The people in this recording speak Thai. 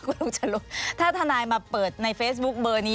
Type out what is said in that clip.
คุณลุงจรูนถ้าทนายมาเปิดในเฟซบุ๊คเบอร์นี้